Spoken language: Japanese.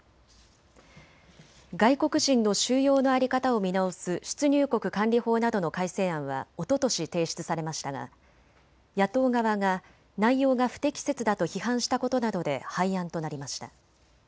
外国人の収容の在り方を見直す出入国管理法などの改正案はおととし提出されましたが野党側が内容が不適切だと批判したことなどで廃案となりました。